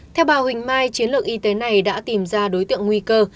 theo bà huỳnh mai chiến lược y tế này đã tìm ra đối tượng nguy cơ